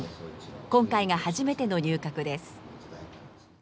今回が初めての入閣です。